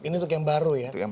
ini untuk yang baru ya